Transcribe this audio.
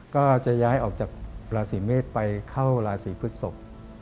ก็จะย้ายออกจากราศีเมษไปเข้าราศีพฤศพ